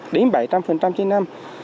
đến bảy trăm linh trên năm